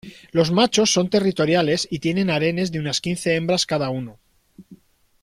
Los machos son territoriales y tienen harenes de unas quince hembras cada uno.